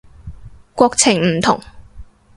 國情唔同